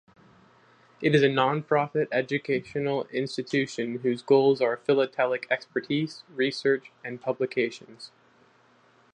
It is a non-profit educational institution whose goals are philatelic expertise, research and publications.